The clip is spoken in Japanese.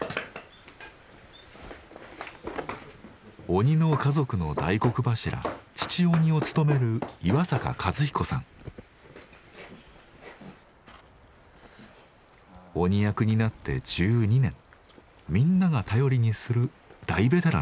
鬼の家族の大黒柱・父鬼を務める鬼役になって１２年みんなが頼りにする大ベテランです。